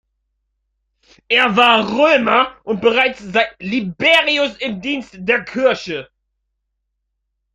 Er war Römer und bereits seit Liberius im Dienst der Kirche.